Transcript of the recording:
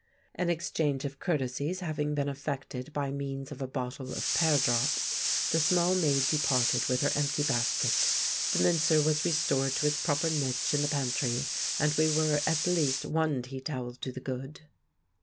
An exchange of courtesies having been effected by means of a bottle of pear drops, the small maid departed with her empty basket; the mincer was restored to its proper niche in the pantry, and we were at least one tea towel to the good.